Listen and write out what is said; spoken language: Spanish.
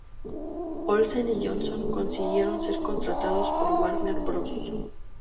Olsen y Johnson consiguieron ser contratados por Warner Bros.